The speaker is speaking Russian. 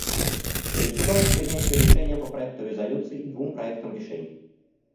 Приступаем к принятию решения по проекту резолюции и двум проектам решений.